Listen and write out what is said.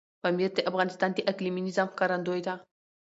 پامیر د افغانستان د اقلیمي نظام ښکارندوی ده.